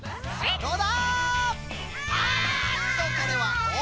どうだ？